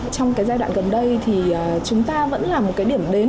trong cái giai đoạn gần đây thì chúng ta vẫn là một cái điểm đến